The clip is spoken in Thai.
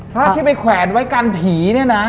พระที่ไปแขวนไว้กันผีเนี่ยนะ